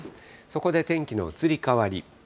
そこで天気の移り変わり。